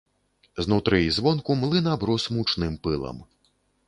Знутры і звонку млын аброс мучным пылам.